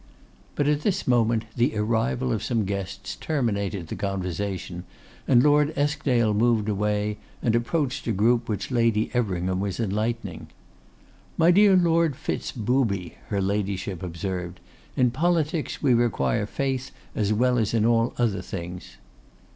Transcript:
But at this moment the arrival of some guests terminated the conversation, and Lord Eskdale moved away, and approached a group which Lady Everingham was enlightening. 'My dear Lord Fitz booby,' her Ladyship observed, 'in politics we require faith as well as in all other things.